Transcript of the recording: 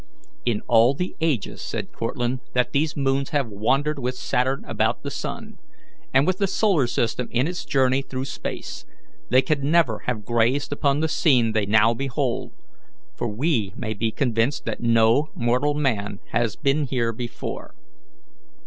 "In all the ages," said Cortlandt, "that these moons have wandered with Saturn about the sun, and with the solar system in its journey through space, they can never have gazed upon the scene they now behold, for we may be convinced that no mortal man has been here before."